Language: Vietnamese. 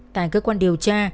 tại cơ quan điều tra